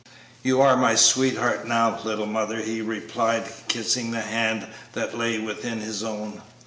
"You are my sweetheart now, little mother," he replied, kissing the hand that lay within his own.